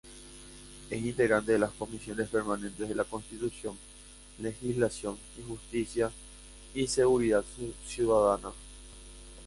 Es integrante de las Comisiones Permanentes de Constitución, Legislación y Justicia; y Seguridad Ciudadana.